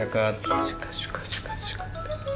シュカシュカシュカシュカ。